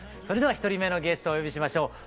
それでは１人目のゲストをお呼びしましょう。